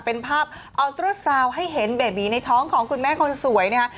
เป็นภาพเอาตัวสาวให้เห็นเบบีในท้องของคุณแม่คนสวยเนี่ยค่ะ